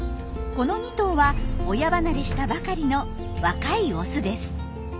この２頭は親離れしたばかりの若いオスです。